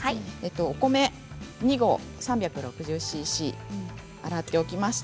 お米を２合３６０ｃｃ洗っておきました。